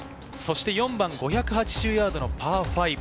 ４番５８０ヤードのパー５。